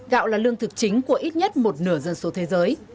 gạo là lương thực chính của ít nhất một nửa dân số thế giới